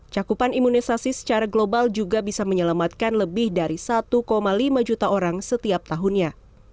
cakupan imunisasi secara global juga bisa menyelamatkan lebih dari satu lima juta orang setiap tahunnya